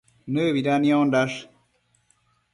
Nëbida niondash